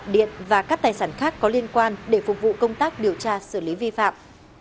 để phục vụ công tác điều tra xử lý vi phạm